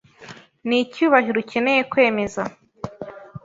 Ni Cyubahiro ukeneye kwemeza.